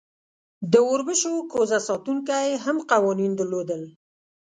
د اوربشو کوزه ساتونکی هم قوانین درلودل.